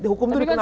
hukum itu dikenal